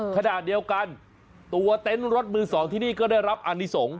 ขนาดเดียวกันตัวเต้นรถมือสองที่นี่ก็ได้รับอนิสงศ์